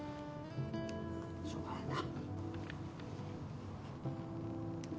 しょうがないな。